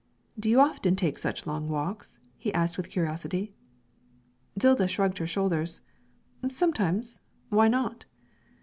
'Do you often take such long walks?' he asked with curiosity. Zilda shrugged her shoulders. 'Sometimes; why not?'